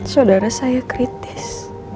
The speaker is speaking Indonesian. saudara saya kritis